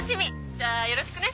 じゃあよろしくね。